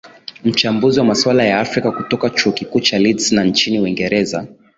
mchambuzi wa masuala ya afrika kutoka chuo kikuu cha litz cha nchini uingereza